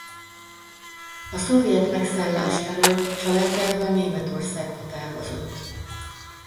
A szovjet megszállás elől családjával Németországba távozott.